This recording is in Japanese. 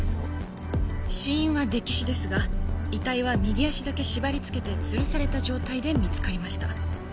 死因は溺死ですが遺体は右足だけ縛りつけて吊るされた状態で見つかりました。